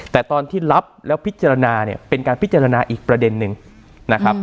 แต่ตอนที่รับแล้วพิจารณาเนี่ยเป็นการพิจารณาอีกประเด็นนึงนะครับ